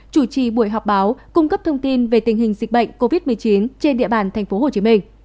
chủ trì buổi họp báo cung cấp thông tin về tình hình dịch bệnh covid một mươi chín trên địa bàn tp hcm